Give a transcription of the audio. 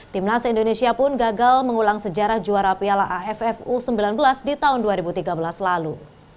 timnas indonesia pun gagal mengulang sejarah juara piala aff u sembilan belas di tahun dua ribu tiga belas lalu